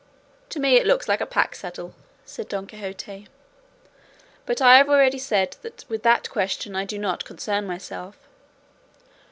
"To me it looks like a pack saddle," said Don Quixote; "but I have already said that with that question I do not concern myself."